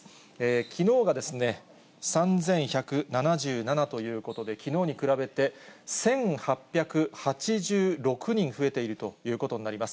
きのうが３１７７ということで、きのうに比べて１８８６人増えているということになります。